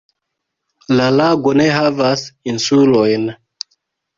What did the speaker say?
La lago ne havas insulojn.